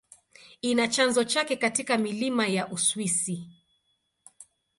Ina chanzo chake katika milima ya Uswisi.